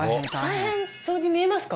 大変そうに見えますか？